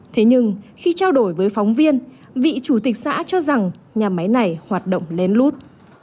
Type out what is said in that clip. thế nhưng khi trao đổi với phóng viên vị chủ tịch xã cho rằng nhà máy này hoạt động lén lút